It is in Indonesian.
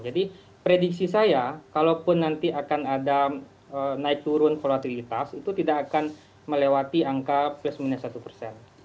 jadi prediksi saya kalau pun nanti akan ada naik turun volatilitas itu tidak akan melewati angka plus minus satu